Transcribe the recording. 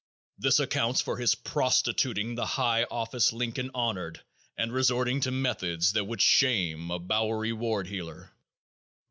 This accounts for his prostituting the high office Lincoln honored and resorting to methods that would shame a Bowery ward heeler.